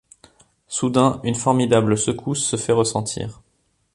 Soudain, une formidable secousse se fait ressentir.